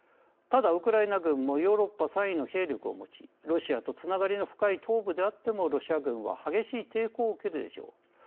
ただウクライナ軍もヨーロッパ３位の兵力を持ちロシアとつながりの深い東部であってもロシア軍は激しい抵抗を受けるでしょう。